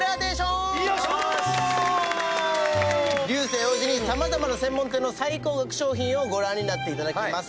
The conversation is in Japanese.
流星王子に様々な専門店の最高額商品をご覧になっていただきます。